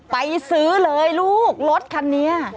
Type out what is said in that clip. ไปซื้อเลยลูกรถคันนี้